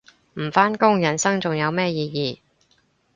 唔返工人生仲有咩意義